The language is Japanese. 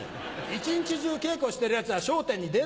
一日中稽古してるヤツは『笑点』に出ないよ。